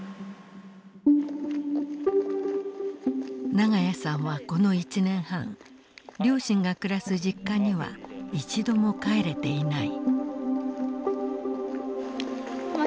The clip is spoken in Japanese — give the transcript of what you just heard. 長屋さんはこの１年半両親が暮らす実家には一度も帰れていない。